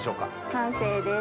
完成です。